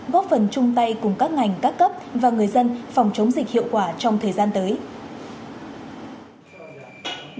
góp phần chung tay cùng các ngành các cấp và người dân phòng chống dịch hiệu quả trong thời gian tới